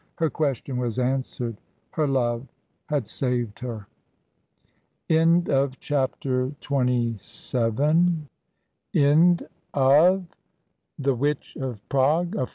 Her question was answered; her love had saved her. End of Project Gutenberg's The Witch of Prague, by F.